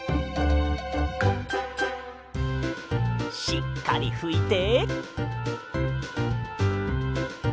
しっかりふいて。